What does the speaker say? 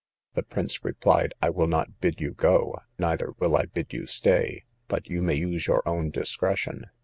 The prince replied, I will not bid you go, neither will I bid you stay, but you may use your own discretion.